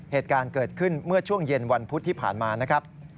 เหตุการณ์เกิดขึ้นเมื่อช่วงเย็นวันพุธที่ผ่านมานะครับ